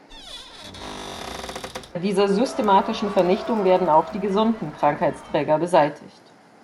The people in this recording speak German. Bei dieser systematischen Vernichtung werden auch die gesunden Krankheitsträger beseitigt.